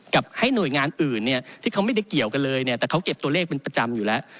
ให้หน่วยงานอื่นเนี่ยที่เขาไม่ได้เกี่ยวกันเลยเนี่ยแต่เขาเก็บตัวเลขเป็นประจำอยู่แล้ว